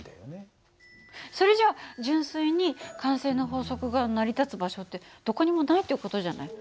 それじゃ純粋に慣性の法則が成り立つ場所ってどこにもないっていう事じゃない。